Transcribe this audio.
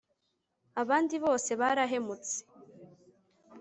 abandi bose barahemutse